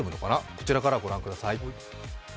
こちらからご覧ください。